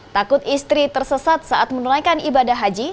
takut istri tersesat saat menunaikan ibadah haji